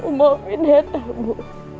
ibu sudah memaafkan kamu